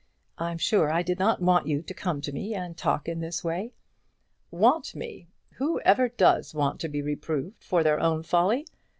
I'm sure I did not want you to come to me and talk in this way." "Want me! Who ever does want to be reproved for their own folly?